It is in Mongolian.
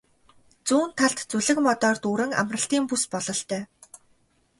Зүүн талд зүлэг модоор дүүрэн амралтын бүс бололтой.